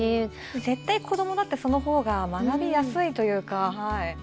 絶対子どもだってその方が学びやすいというか。